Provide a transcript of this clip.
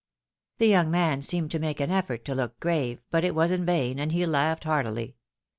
The young man seemed to make an effort to look grave, but it was in vain, and he laughed heartily.